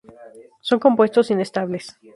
Son compuestos inestables.